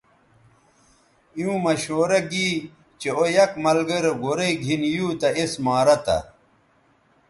ایووں مشورہ گی چہء او یک ملگرے گورئ گِھن یُو تہ اس مارہ تھہ